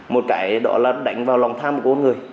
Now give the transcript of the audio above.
một cái đó là đánh vào lòng tham của con người